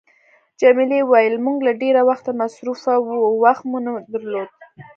جميلې وويل: موږ له ډېره وخته مصروفه وو، وخت مو نه درلود.